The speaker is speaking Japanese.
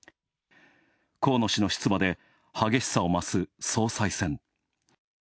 河野氏の出馬で激しさを増す総裁選。